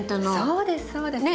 そうですそうです。ね？